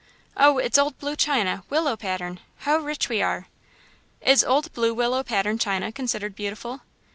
"Oh, it's old blue china willow pattern! How rich we are!" "Is old blue willow pattern china considered beautiful?"